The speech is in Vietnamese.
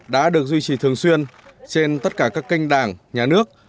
đã được duy trì thường xuyên trên tất cả các kênh đảng nhà nước